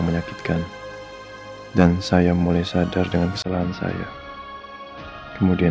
sengaja aku bawa aku ke laut ya